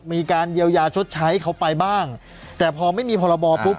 มีการเยียวยาชดใช้เขาไปบ้างแต่พอไม่มีพรบปุ๊บ